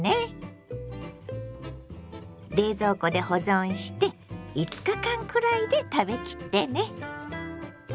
冷蔵庫で保存して５日間くらいで食べ切ってね。